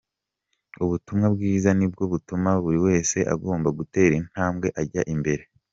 Ubu butumwa bwiza, ni bwo tuma buri wese agomba gutera intambwe ajya imbere.